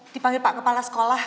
dipanggil pak kepala sekolah